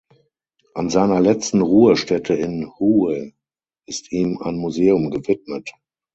An seiner letzten Ruhestätte in Hue ist ihm ein Museum gewidmet.